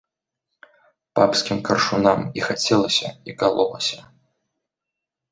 Папскім каршунам і хацелася і калолася.